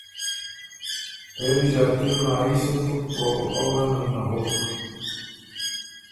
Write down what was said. پېری ݫاتي رونړايي سُک بُک فوراً ال نغوک۔